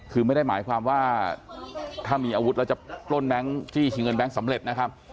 คือไม่ได้หมายความว่าถ้ามีอาวุธแล้วจะปล้นแบงค์จี้ชิงเงินแบงค์สำเร็จนะครับ